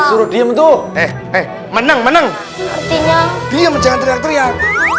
suruh diem tuh menang menang artinya diam jangan teriak teriak